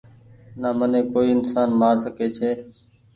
نا مني ڪوئي انسان مآر سکي ڇي